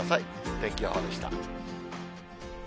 天気予報でした。